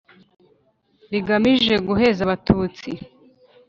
rigamije guheza Abatutsi